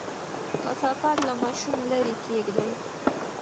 کثافات له ماشوم لرې کېږدئ.